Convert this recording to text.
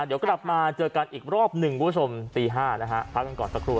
เดี๋ยวกลับมาเจอกันอีกรอบหนึ่งคุณผู้ชมตี๕นะฮะพักกันก่อนสักครู่